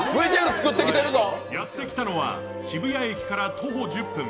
やってきたのは渋谷駅から徒歩１０分。